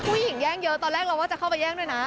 ยิ่งแย่งเยอะตอนแรกเราว่าจะเข้าไปแย่งด้วยนะ